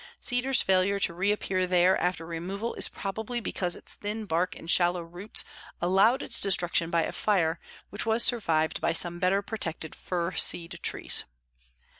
Cedar's failure to reappear there after removal is probably because its thin bark and shallow roots allowed its destruction by a fire which was survived by some better protected fir seed trees.